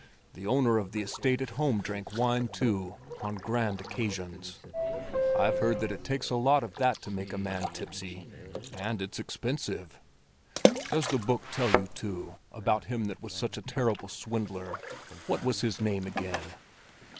The owner of the estate at home drank wine, too, on grand occasions. I've heard that it takes a lot of that to make a man tipsy—and it's expensive! Does the book tell you, too, about him that was such a terrible swindler? What was his name again?"